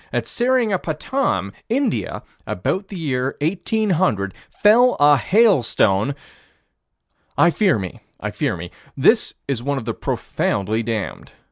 At Seringapatam, India, about the year 1800, fell a hailstone I fear me, I fear me: this is one of the profoundly damned.